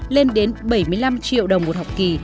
lên đến bảy mươi năm triệu đồng một học kỳ